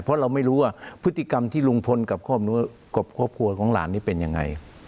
เพราะเราไม่รู้ว่าพฤติกรรมที่ลุงพลกับครอบครัวของหลานนี่เป็นยังไง